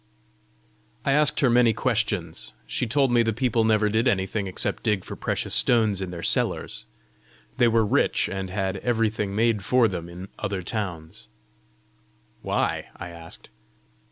I asked her many questions. She told me the people never did anything except dig for precious stones in their cellars. They were rich, and had everything made for them in other towns. "Why?" I asked.